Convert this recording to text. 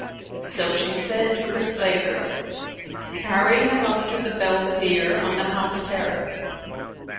So she said to her slave girl, "Carry him up to the belvedere on the house terrace."